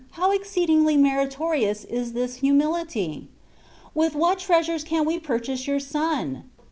how exceed ingly meritorious is this humility! With what treasures can we purchase your Son